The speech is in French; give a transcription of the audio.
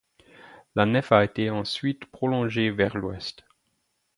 La nef a été ensuite prolongée vers l'ouest.